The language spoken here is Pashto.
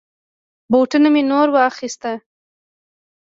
بوټونه می نور واخيست.